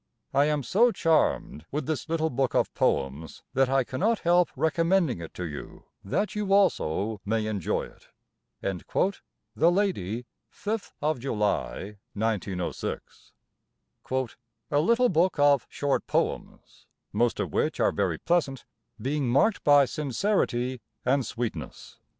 I am so charmed with this little book of poems that I cannot help recommending it to you, that you also may enjoy it."—The Lady, 5th July, 1906. "A little book of short poems, most of which are very pleasant, being marked by sincerity and sweetness."